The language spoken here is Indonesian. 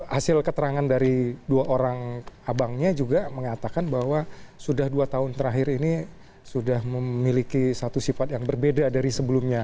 hasil keterangan dari dua orang abangnya juga mengatakan bahwa sudah dua tahun terakhir ini sudah memiliki satu sifat yang berbeda dari sebelumnya